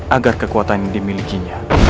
agar kekuatan yang dimilikinya